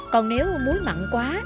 còn nếu muối mặn quá